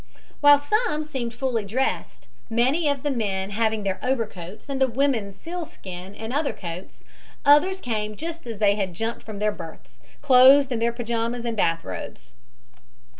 While some seemed fully dressed, many of the men having their overcoats and the women sealskin and other coats, others came just as they had jumped from their berths, clothed in their pajamas and bath robes."